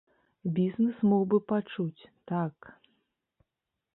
Бізнэс мог бы пачуць, так.